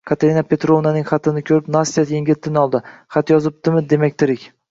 Katerina Petrovnaning xatini koʻrib Nastya yengil tin oldi – xat yozibdimi, demak, tirik.